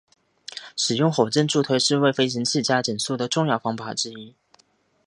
使用火箭助推是为飞行器加减速的重要方法之一。